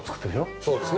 そうですね。